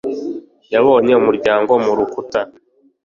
yabonye umuryango mu rukuta;